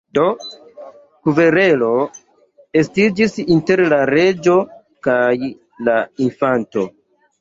Do, kverelo estiĝis inter la reĝo kaj la Infanto.